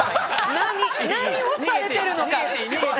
何をされてるのか。